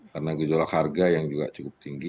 karena gejolak harga yang juga cukup tinggi